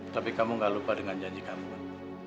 tapi kamu gak lupa dengan janji kamu